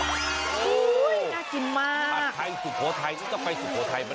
ผัดไทยสุโขทัยจะไปสุโขทัยปะเนี่ย